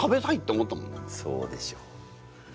そうでしょ。